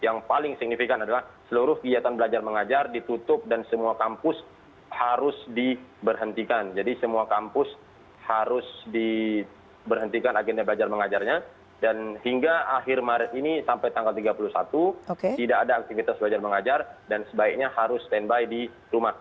yang paling signifikan adalah seluruh kegiatan belajar mengajar ditutup dan semua kampus harus diberhentikan jadi semua kampus harus diberhentikan agenda belajar mengajarnya dan hingga akhir maret ini sampai tanggal tiga puluh satu tidak ada aktivitas belajar mengajar dan sebaiknya harus standby di rumah